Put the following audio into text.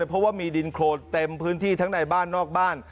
เพราะว่ามีดินโครนเต็มพื้นที่ทั้งในบ้านนอกบ้าน